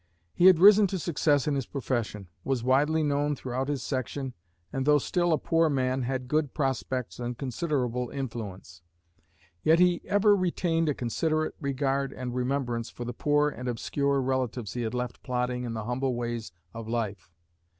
He had risen to success in his profession, was widely known throughout his section, and though still a poor man he had good prospects and considerable influence. Yet he ever retained a considerate regard and remembrance for the poor and obscure relatives he had left plodding in the humble ways of life.